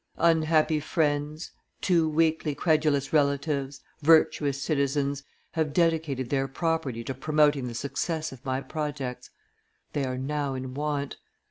Unhappy friends, too weakly credulous relatives, virtuous citizens, have dedicated their property to promoting the success of my projects; they are now in want.